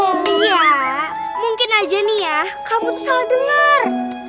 amalia mungkin aja nih ya kamu tuh salah dengar